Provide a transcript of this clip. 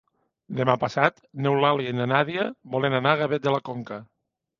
Demà passat n'Eulàlia i na Nàdia volen anar a Gavet de la Conca.